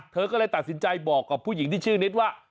เธอก็เลยตัดสินใจบอกกับผู้หญิงที่ชื่อนิดว่า